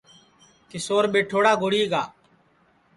کیشور ٻیٹھوڑا گُڑی گا